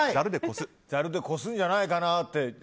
ざるでこすんじゃないかなって。